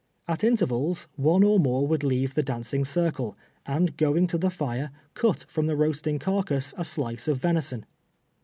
x\t in tervals, one or more would leave the dancing circle, and going to the lire, cut from the roasting carcass a slice of venison.